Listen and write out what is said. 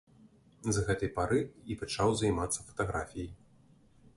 З гэтай пары і пачаў займацца фатаграфіяй.